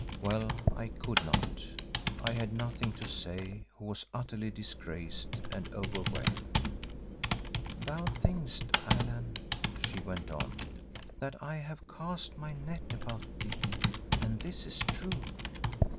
Well, I could not. I had nothing to say who was utterly disgraced and overwhelmed. "Thou thinkest, Allan," she went on, "that I have cast my net about thee, and this is true.